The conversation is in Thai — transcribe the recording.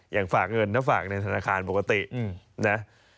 ฝากเงินถ้าฝากในธนาคารปกตินะ